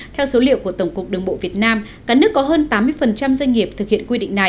theo số liệu của tổng cục đường bộ việt nam cả nước có hơn tám mươi doanh nghiệp thực hiện quy định này